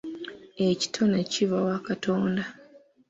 Ekitone kiva wa Katonda.